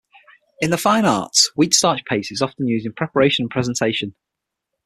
In the fine arts, wheat starch paste is often used in preparation and presentation.